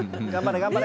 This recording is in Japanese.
頑張れ。